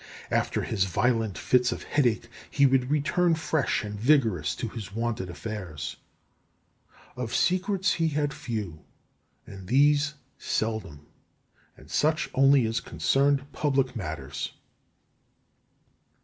After his violent fits of headache he would return fresh and vigorous to his wonted affairs. Of secrets he had few, and these seldom, and such only as concerned public matters.